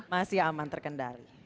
masih aman terkendali